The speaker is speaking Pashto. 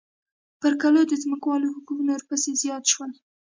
پر کلو د ځمکوالو حقوق نور پسې زیات شول